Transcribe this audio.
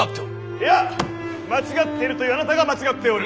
いいや間違っているというあなたが間違っておる！